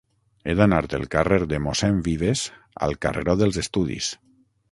He d'anar del carrer de Mossèn Vives al carreró dels Estudis.